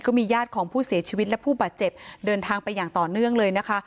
ญาติของผู้เสียชีวิตและผู้บาดเจ็บเดินทางไปอย่างต่อเนื่องเลยนะคะ